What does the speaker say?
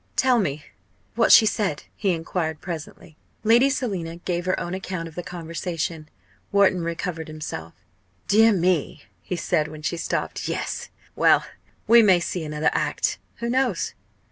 "Tell me what she said," he enquired presently. Lady Selina gave her own account of the conversation. Wharton recovered himself. "Dear me!" he said, when she stopped. "Yes well we may see another act. Who knows?